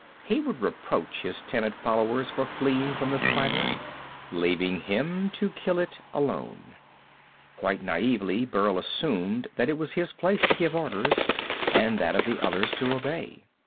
He would reproach his timid followers for fleeing from the spider, leaving him to kill it alone. Quite naïvely Burl assumed that it was his place to give orders and that of the others to obey.